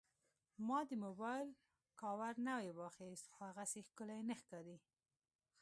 ما د موبایل کاور نوی واخیست، خو هغسې ښکلی نه ښکاري.